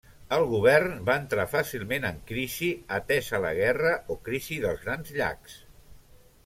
El govern va entrar fàcilment en crisi, atesa la Guerra o crisi dels Grans Llacs.